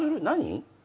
何？